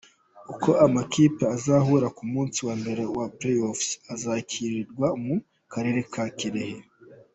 Uko amakipe azahura ku munsi wa mbere wa Playoffs uzakinirwa mu karere ka Kirehe